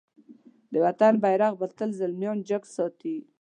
د وطن بېرغ به تل زلميان جګ ساتی.